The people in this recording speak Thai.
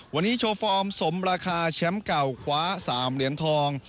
วันนี้โชว์ฟอร์มสมราคาแชมป์เก่าคว้า๓เหรียญทอง